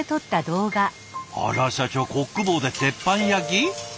あら社長コック帽で鉄板焼き？